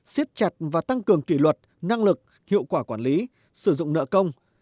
xiết chặt và tăng cường kỷ luật năng lực hiệu quả quản lý sử dụng nợ công